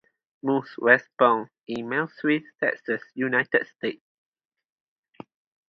Morse was born in Mansfield, Texas, United States.